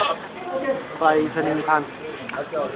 ไปรษณีย์ภัณฑ์